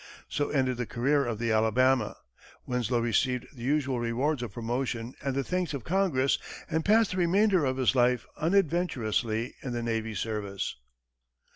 So ended the career of the Alabama. Winslow received the usual rewards of promotion and the thanks of Congress, and passed the remainder of his life unadventurously in the navy service.